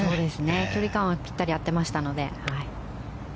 距離感はぴったり合っていましたので。